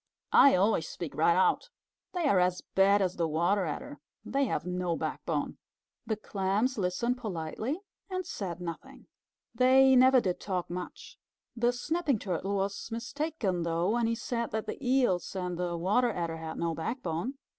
"I always speak right out. They are as bad as the Water Adder. They have no backbone." The Clams listened politely and said nothing. They never did talk much. The Snapping Turtle was mistaken though, when he said that the Eels and the Water Adder had no backbone.